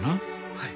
はい。